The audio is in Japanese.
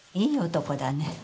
いい男だね。